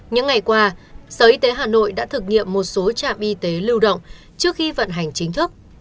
những ngày qua sở y tế hà nội đã thực nghiệm một số trạm y tế lưu động trước khi vận hành chính thức